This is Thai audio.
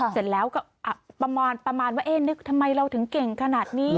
เสร็จแล้วก็ประมาณว่านึกทำไมเราถึงเก่งขนาดนี้